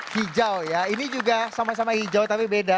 hijau ya ini juga sama sama hijau tapi beda